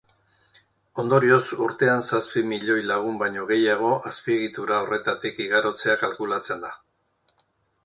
Ondorioz, urtean zazpi milioi lagun baino gehiago azpiegitura horretatik igarotzea kalkulatzen da.